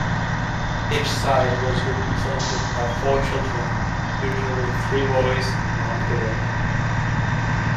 Each side was represented by four children, usually three boys and one girl.